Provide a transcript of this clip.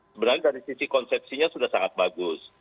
sebenarnya dari sisi konsepsinya sudah sangat bagus